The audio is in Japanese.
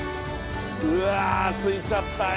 うわ着いちゃったよ